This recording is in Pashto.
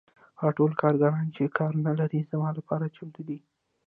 هغه ټول کارګران چې کار نلري زما لپاره چمتو دي